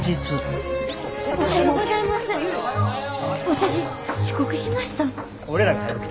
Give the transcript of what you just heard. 私遅刻しました？